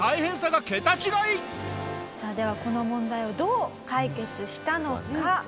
さあではこの問題をどう解決したのか？